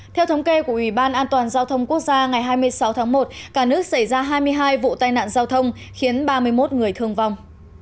theo thống kê của ủy ban an toàn giao thông quốc gia ngày hai mươi sáu tháng một cả nước xảy ra hai mươi hai vụ tai nạn giao thông khiến ba mươi một người thương vong